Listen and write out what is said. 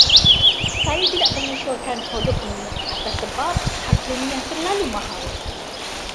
Saya tidak mengesyorkan produk ini atas sebab harganya yang terlalu mahal.